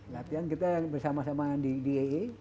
latihan kita bersama sama yang di daa